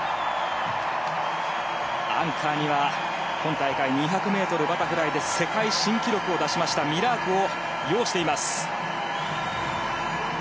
アンカーには今大会２００ｍバタフライで世界新記録を出しましたミラークを擁しています。